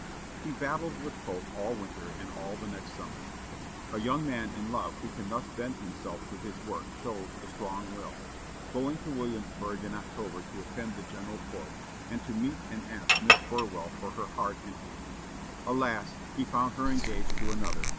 '" He battled with Coke all winter and all the next summer, a young man in love who can thus bend himself to his work shows a strong will, going to Williamsburg in October to attend the General Court, and to meet and ask Miss Burwell for her heart and hand. Alas! he found her engaged to another.